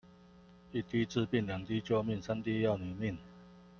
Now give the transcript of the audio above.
一滴治病，兩滴救命，三滴要你命